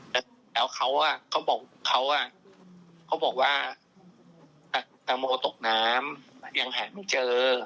ผมถามเขาว่าเป็นอย่างไรแล้วเขาบอกว่าตังโมตกน้ำยังหาไม่เจอ